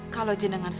kalau jenangan sujud